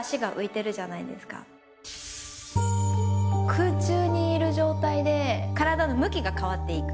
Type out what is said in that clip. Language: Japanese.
空中にいる状態で体の向きが変わっていく。